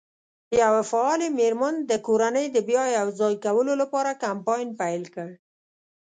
یوه فعالې مېرمن د کورنۍ د بیا یو ځای کولو لپاره کمپاین پیل کړ.